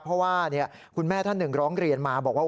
เพราะว่าคุณแม่พระนึกเรียนมาบอกว่า